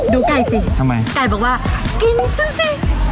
ดูไก่สิไก่บอกว่ากินฉันสิ